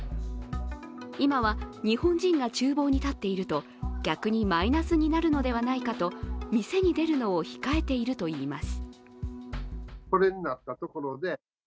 今は日本人がちゅう房に立っていると逆にマイナスになるのではないかと店に出るのを控えているといいます。